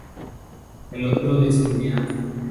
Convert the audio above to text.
El otro descendía.